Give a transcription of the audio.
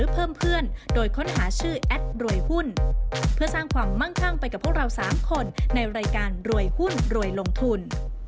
เพื่อสร้างความมั่งข้างไปกับพวกเรา๓คนในรายการรวยหุ้นรวยลงทุน